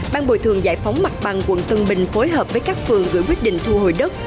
ban bồi thường giải phóng mặt bằng quận tân bình phối hợp với các phường gửi quyết định thu hồi đất